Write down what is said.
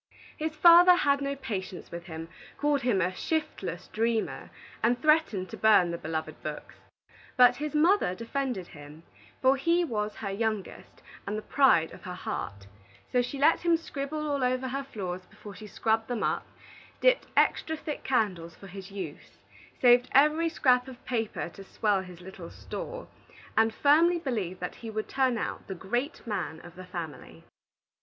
His father had no patience with him, called him a shiftless dreamer, and threatened to burn the beloved books. But his mother defended him, for he was her youngest and the pride of her heart; so she let him scribble all over her floors before she scrubbed them up, dipped extra thick candles for his use, saved every scrap of paper to swell his little store, and firmly believed that he would turn out the great man of the family.